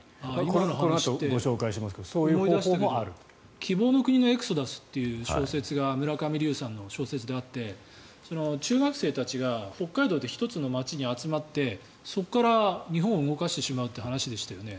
今の話って思い出したけど「希望の国のエクソダス」という小説が村上龍さんの小説であって中学生たちが北海道で１つの町に集まってそこから日本を動かしてしまうという話でしたよね。